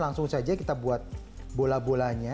langsung saja kita buat bola bolanya